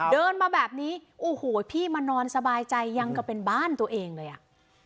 เดินมาแบบนี้โอ้โหพี่มานอนสบายใจยังก็เป็นบ้านตัวเองเลยอ่ะ